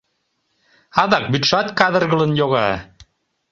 Адак вӱдшат кадыргылын йога.